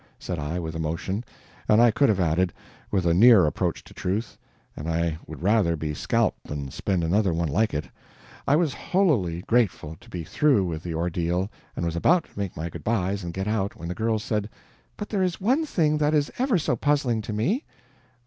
said I, with emotion; and I could have added, with a near approach to truth, "and I would rather be scalped than spend another one like it." I was holily grateful to be through with the ordeal, and was about to make my good bys and get out, when the girl said: "But there is one thing that is ever so puzzling to me."